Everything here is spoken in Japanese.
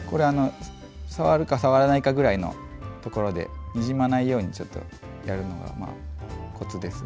触るか触らないかぐらいのところでにじまないようにやるのがコツです。